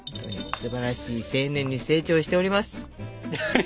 すばらしい青年に成長しております。